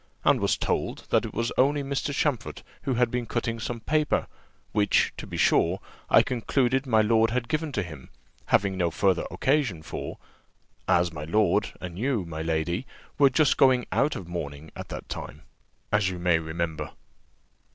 and was told, that it was only Mr. Champfort who had been cutting some paper; which, to be sure, I concluded my lord had given to him, having no further occasion for, as my lord and you, my lady, were just going out of mourning at that time, as you may remember."